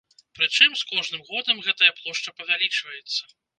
Прычым, з кожным годам гэтая плошча павялічваецца.